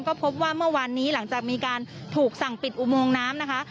ก็พบว่าเมื่อวานนี้หลังจากมีการถูกสั่งปิดอุโมงน้ำนะคะ